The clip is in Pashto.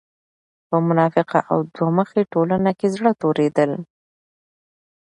په منافقه او دوه مخې ټولنه کې زړۀ توريدل